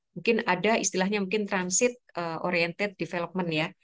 mungkin ada istilahnya transit oriented development